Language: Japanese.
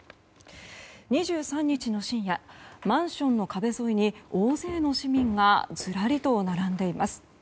２３日の深夜マンションの壁沿いに大勢の市民がずらりと並んでいます。